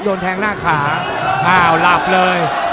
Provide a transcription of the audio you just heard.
โดนแทงหน้าขาอ้าวหลับเลย